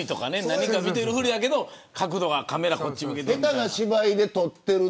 何か見てるフリだけど角度はカメラこっち向けてる。